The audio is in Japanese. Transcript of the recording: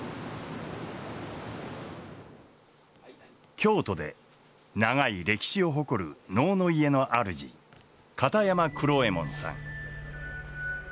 京都で長い歴史を誇る能の家の主片山九郎右衛門さん。